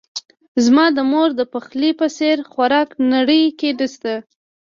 زما د مور دپخلی په څیر خوراک نړۍ کې نه شته